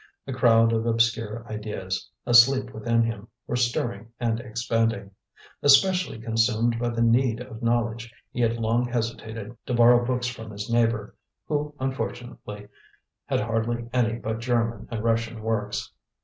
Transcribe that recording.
A crowd of obscure ideas, asleep within him, were stirring and expanding. Especially consumed by the need of knowledge, he had long hesitated to borrow books from his neighbour, who unfortunately had hardly any but German and Russian works.